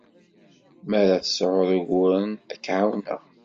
Mi ara tesɛuḍ uguren, ad k-ɛawneɣ.